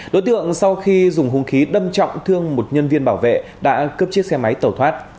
đối tượng sau khi dùng hung khí đâm trọng thương một nhân viên bảo vệ đã cướp chiếc xe máy tẩu thoát